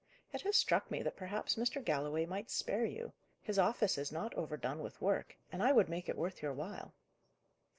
It has struck me that perhaps Mr. Galloway might spare you: his office is not overdone with work, and I would make it worth your while."